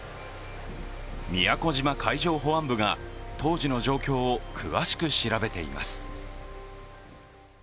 宮古島海上保安部が当時の状況を詳しく調べています。